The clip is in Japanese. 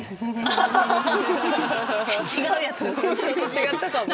違ったかも。